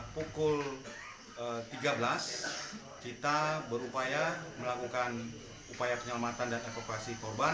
pukul tiga belas kita berupaya melakukan upaya penyelamatan dan evakuasi korban